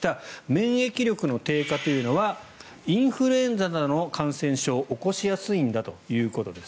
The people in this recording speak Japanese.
免疫力の低下というのはインフルエンザなどの感染症を起こしやすいんだということです。